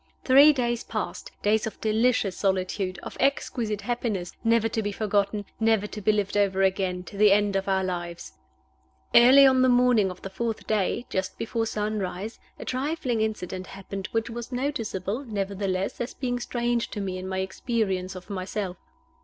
Three days passed days of delicious solitude, of exquisite happiness, never to be forgotten, never to be lived over again, to the end of our lives! Early on the morning of the fourth day, just before sunrise, a trifling incident happened, which was noticeable, nevertheless, as being strange to me in my experience of myself.